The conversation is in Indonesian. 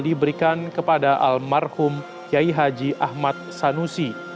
diberikan kepada almarhum kiai haji ahmad sanusi